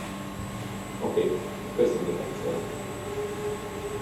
Oké, köszi még egyszer.